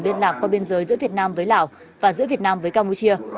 liên lạc qua biên giới giữa việt nam với lào và giữa việt nam với campuchia